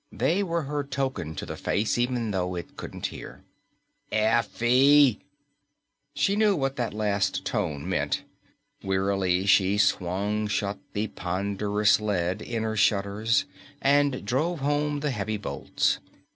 They were her token to the face, even though it couldn't hear. "Effie!" She knew what that last tone meant. Wearily she swung shut the ponderous lead inner shutters and drove home the heavy bolts.